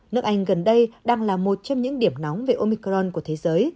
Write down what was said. nước anh gần đây đang là một trong những điểm nóng về omicron của thế giới